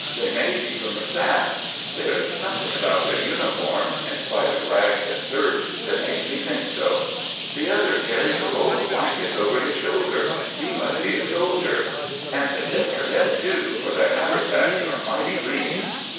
They may be from the staff. There is something about their uniforms, in spite of rags and dirt, that makes me think so. The other carries a roll of blankets over his shoulder he must be a soldier; and they have just come in, too, for their haversacks are mighty lean."